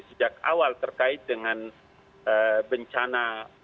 sejak awal terkait dengan bencana